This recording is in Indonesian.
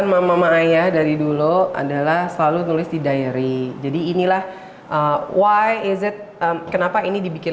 mama mama ayah dari dulu adalah selalu nulis di diary jadi inilah why is it kenapa ini dibikin